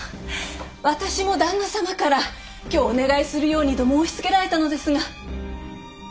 私も旦那様から今日お願いするようにと申しつけられたのですが。